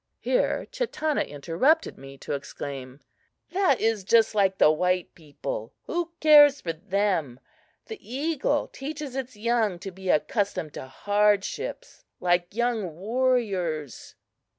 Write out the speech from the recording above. Here Chatanna interrupted me to exclaim: "That is just like the white people who cares for them? The eagle teaches its young to be accustomed to hardships, like young warriors!"